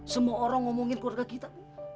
semua orang ngomongin keluarga kita